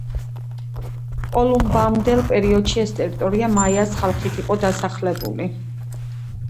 კოლუმბამდელ პერიოდში, ეს ტერიტორია მაიას ხალხით იყო დასახლებული.